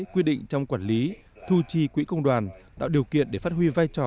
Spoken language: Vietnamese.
quy định trong quản lý thu chi quỹ công đoàn tạo điều kiện để phát huy vai trò